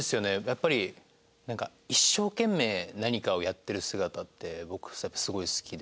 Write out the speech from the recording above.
やっぱりなんか一生懸命何かをやってる姿って僕すごい好きで。